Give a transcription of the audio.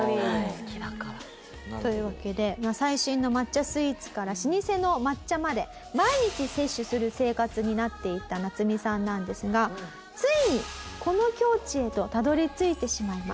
好きだから。というわけで最新の抹茶スイーツから老舗の抹茶まで毎日摂取する生活になっていたナツミさんなんですがついにこの境地へとたどり着いてしまいます。